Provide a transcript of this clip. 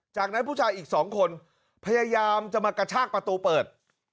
จากนั้นผู้ชายอีก๒คนพยายามจะมากระชากประตูเปิด